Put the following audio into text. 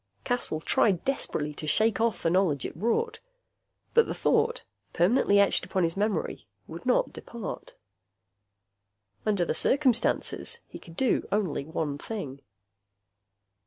Caswell tried desperately to shake off the knowledge it brought. But the thought, permanently etched upon his memory, would not depart. Under the circumstances, he could do only one thing.